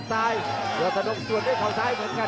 แขวนน้ำสู้แล้วเสียบซ้าย